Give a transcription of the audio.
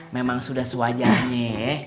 memang sudah sewajarnya